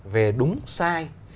về đúng sai